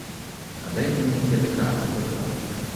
А дайте мені п'ятака або два!